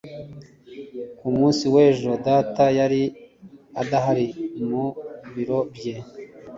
ku munsi w'ejo, data yari adahari mu biro bye